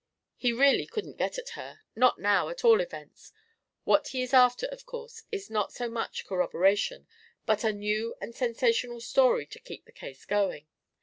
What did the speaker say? He really couldn't get at her not now, at all events; what he is after, of course, is not so much corroboration, but a new and sensational story to keep the case going.